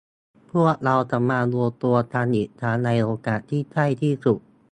พวกเราจะมารวมตัวกันอีกครั้งในโอกาสที่ใกล้ที่สุด